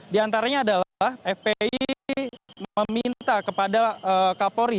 di antaranya adalah fpi meminta kepada kapolri